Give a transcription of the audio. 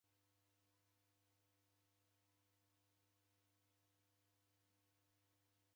Nineke elfu mfungade